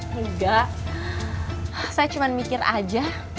enggak saya cuma mikir aja